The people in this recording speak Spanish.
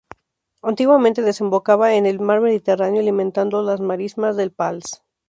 Antiguamente desembocaba en el mar Mediterráneo, alimentando las marismas de Pals.